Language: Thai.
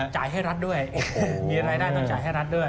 จ่ายให้รัฐด้วยมีรายได้ต้องจ่ายให้รัฐด้วย